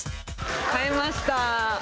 買えました。